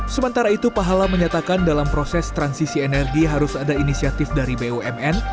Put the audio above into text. sementara itu pahala menyatakan dalam proses transisi energi harus ada inisiatif dari bumn